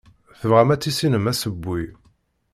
Tebɣam ad tissinem asewwi.